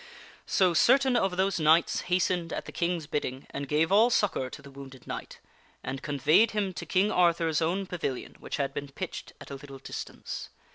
So certain of those knights hastened at the King's bidding and gave all succor to the wounded knight, and conveyed him to King Arthur's own pavilion, which had been pitched at a little distance.